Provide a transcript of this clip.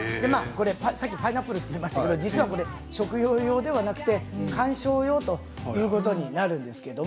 さっきパイナップルといいましたが、これは食用ではなく観賞用ということになります。